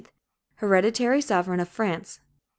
hereditary sovereign of France.